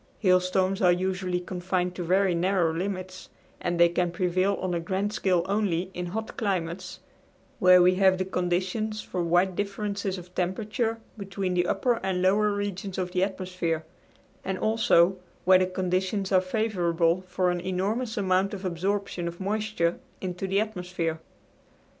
Hailstorms are usually confined to very narrow limits, and they can prevail on a grand scale only in hot climates, where we have the conditions for wide differences of temperature between the upper and lower regions of the atmosphere; and, also, where the conditions are favorable, for an enormous amount of absorption of moisture into the atmosphere.